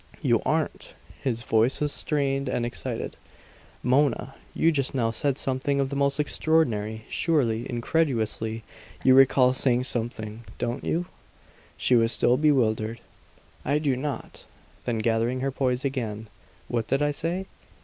"You AREN'T!" His voice was strained and excited. "Mona you just now said something of the most extraordinary surely incredulously you recall saying something, don't you?" She was still bewildered. "I do not!" Then gathering her poise again, "What did I say?"